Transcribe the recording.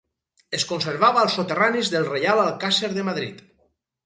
Es conservava als soterranis del Reial Alcàsser de Madrid.